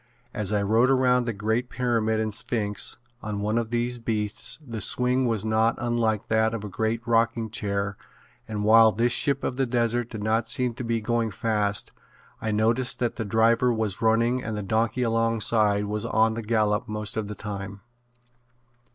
As I rode around the great pyramid and sphinx on one of these beasts the swing was not unlike that of a great rocking chair and while this ship of the desert did not seem to be going fast I noticed that the driver was running and the donkey alongside was on the gallop most of the time.